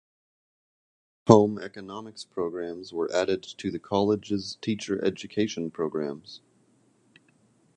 Home economics programs were added to the college's teacher education programs.